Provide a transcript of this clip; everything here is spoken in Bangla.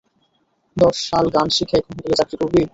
দশ সাল গান শিখে, এখন হোটেলে চাকরি করবি?